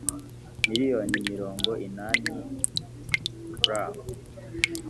Miliyoni mirongo inani frw